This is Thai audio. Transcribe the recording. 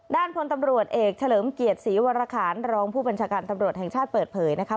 ด้านพลตำรวจเอกเฉลิมเกียรติศรีวรคารรองผู้บัญชาการตำรวจแห่งชาติเปิดเผยนะคะ